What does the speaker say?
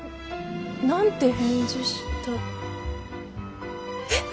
何て返事したえっ！？